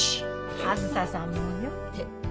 あづささんもよ。えっ？